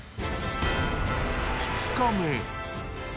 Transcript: ２日目。